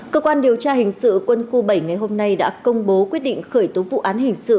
cơ quan điều tra hình sự quân khu bảy ngày hôm nay đã công bố quyết định khởi tố vụ án hình sự